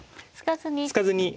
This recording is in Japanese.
突かずに。